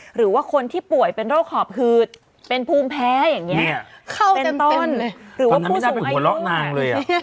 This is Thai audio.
หรือว่าคนที่ป่วยเป็นโรคหอบหืดเป็นภูมิแพ้แบบนี้เป็นต้นหรือผู้สูงไอโฟน